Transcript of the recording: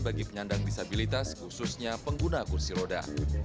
tidak ada penyandang tetap disabilitas khususnya pengguna kursi roda